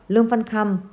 lương văn khăm